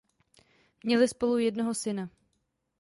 Měli spolu jednoho syna.